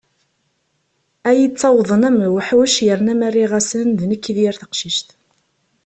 Ad iyi-d-ttawḍen am lewḥuc yerna ma rriɣ-asen d nekk i d yir taqcict.